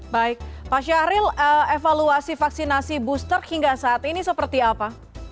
baik pak syahril evaluasi vaksinasi booster hingga saat ini seperti apa